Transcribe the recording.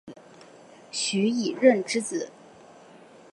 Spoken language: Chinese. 徐以任之子。